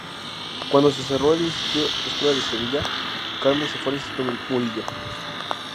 Cuando se cerró el Instituto-Escuela de Sevilla, Carmen se fue al Instituto Murillo.